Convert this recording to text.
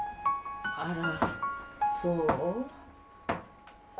あらそう。